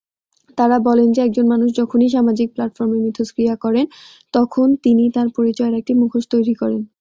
তারা বলেন যে একজন মানুষ যখনই সামাজিক প্লাটফর্মে মিথস্ক্রিয়া করেন তখন তিনি তাঁর পরিচয়ের একটি মুখোশ তৈরি করেন।